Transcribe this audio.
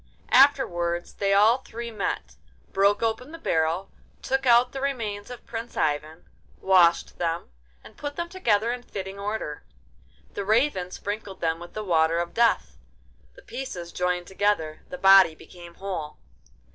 Afterwards they all three met, broke open the barrel, took out the remains of Prince Ivan, washed them, and put them together in fitting order. The Raven sprinkled them with the Water of Death—the pieces joined together, the body became whole.